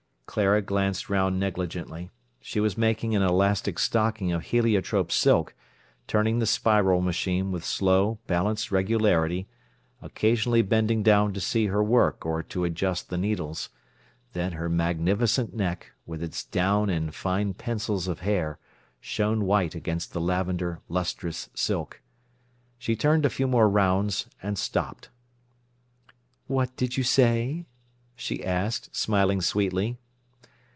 Clara glanced round negligently. She was making an elastic stocking of heliotrope silk, turning the Spiral machine with slow, balanced regularity, occasionally bending down to see her work or to adjust the needles; then her magnificent neck, with its down and fine pencils of hair, shone white against the lavender, lustrous silk. She turned a few more rounds, and stopped. "What did you say?" she asked, smiling sweetly.